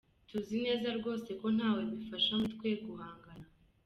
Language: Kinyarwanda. Tuzi neza rwose ko ntawe bifasha muli twe guhangana.